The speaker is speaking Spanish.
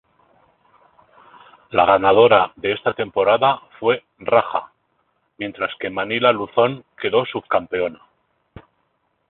La ganadora de esta temporada fue Raja, mientras que Manila Luzón quedó subcampeona.